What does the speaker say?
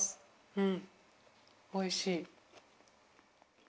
うんおいしい。